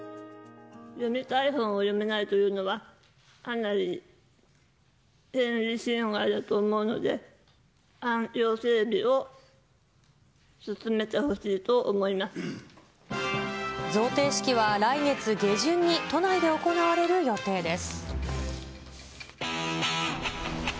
読みたい本を読めないというのは、かなり権利侵害だと思うので、環境整備を進めてほしいと思贈呈式は来月下旬に都内で行われる予定です。